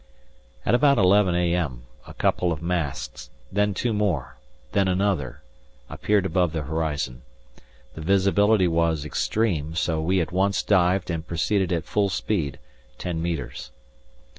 At about 11 a.m. a couple of masts, then two more, then another, appeared above the horizon. The visibility was extreme, so we at once dived and proceeded at full speed, ten metres.